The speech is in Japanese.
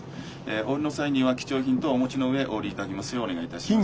お降りの際には貴重品等お持ちの上お降りいただきますようお願いいたします。